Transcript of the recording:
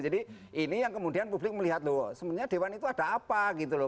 jadi ini yang kemudian publik melihat loh sebenarnya dewan itu ada apa gitu loh